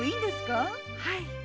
はい。